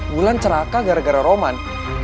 wulan celaka gara gara roman